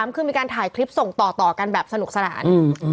คือมีการถ่ายคลิปส่งต่อกันแบบสนุกสนาน